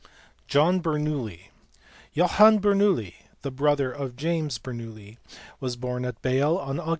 John Bernoulli t. Johann Bernoulli, the brother of James Bernoulli, was born at Bale on Aug.